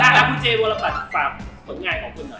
ครับพี่เจโบราษฎร์ขอบคุณหน่อย